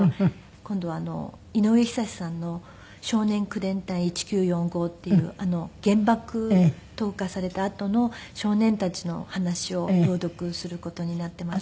今度は井上ひさしさんの『少年口伝隊一九四五』っていう原爆投下されたあとの少年たちの話を朗読する事になっています。